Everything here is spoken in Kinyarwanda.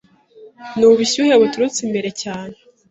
nubushyuhe buturutse imbere cyane